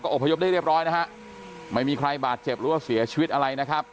อบพยพได้เรียบร้อยนะฮะไม่มีใครบาดเจ็บหรือว่าเสียชีวิตอะไรนะครับ